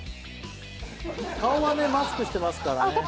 顔はマスクしてますからね。